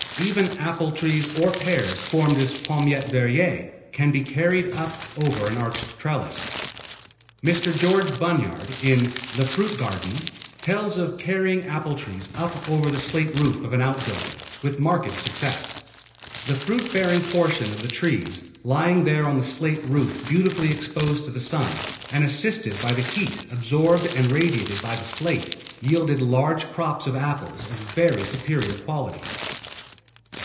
Even apple trees or pears formed as palmettes Verrier can be carried up over an arched trellis. Mr. Geo. Bunyard in "The Fruit Garden" tells of carrying apple trees up over the slate roof of an outbuilding, with marked success. The fruit bearing portion of the trees, lying there on the slate roof beautifully exposed to the sun above, and assisted by the heat absorbed and radiated by the slate, yielded large crops of apples of very superior quality.